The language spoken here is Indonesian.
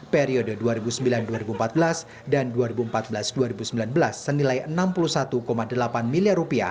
periode dua ribu sembilan dua ribu empat belas dan dua ribu empat belas dua ribu sembilan belas senilai rp enam puluh satu delapan miliar